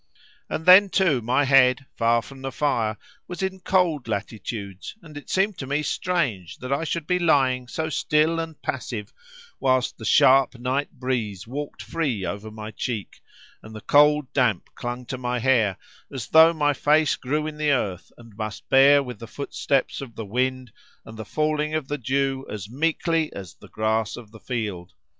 And then, too, my head, far from the fire, was in cold latitudes, and it seemed to me strange that I should be lying so still and passive, whilst the sharp night breeze walked free over my cheek, and the cold damp clung to my hair, as though my face grew in the earth and must bear with the footsteps of the wind and the falling of the dew as meekly as the grass of the field.